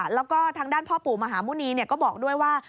แล้วก็ทางด้านพ่อปู่มหาหมุณีก็บอกด้วยว่า